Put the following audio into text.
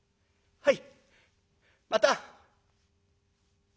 「はい。